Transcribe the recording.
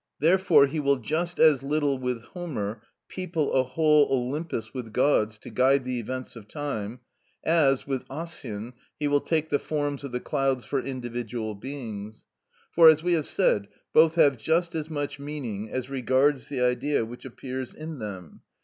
Therefore he will just as little, with Homer, people a whole Olympus with gods to guide the events of time, as, with Ossian, he will take the forms of the clouds for individual beings; for, as we have said, both have just as much meaning as regards the Idea which appears in them.